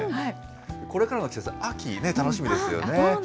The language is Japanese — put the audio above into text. これからの季節、秋ね、楽しみですよね。